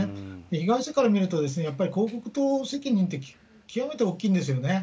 被害者から見ると、やっぱり広告塔責任って極めて大きいんですよね。